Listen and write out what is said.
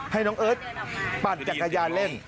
ให้น้องเอิร์ทปั่นจักรยานเล่น